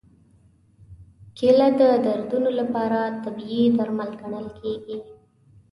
کېله د دردونو لپاره طبیعي درمل ګڼل کېږي.